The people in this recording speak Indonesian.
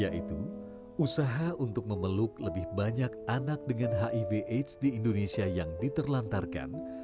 yaitu usaha untuk memeluk lebih banyak anak dengan hiv aids di indonesia yang diterlantarkan